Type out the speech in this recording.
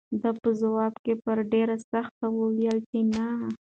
ده په ځواب کې په ډېرې سختۍ وویل چې نه.